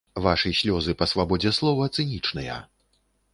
Вашы слёзы па свабодзе слова цынічныя.